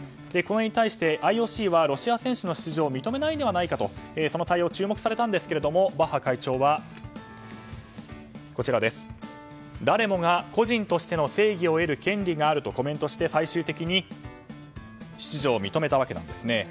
これに対してＩＯＣはロシア選手の出場を認めないのではないかと対応が注目されたんですがバッハ会長は誰もが個人としての正義を得る権利があるとコメントして最終的に出場を認めたんですね。